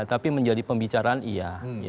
tapi menjadi pembicaraan iya